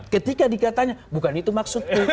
ketika dikatanya bukan itu maksudnya